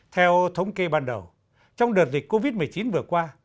theo thống kê ban đầu trong đợt dịch covid một mươi chín vừa qua